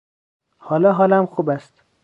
حالا حالم خوب است.